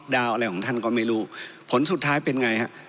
อะไรของท่านก็ไม่รู้ผลสุดท้ายเป็นไงฮะ